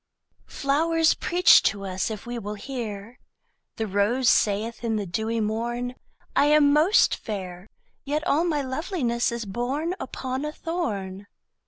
Flowers preach to us if we will hear: The rose saith in the dewy morn, I am most fair; Yet all my loveliness is born Upon a thorn.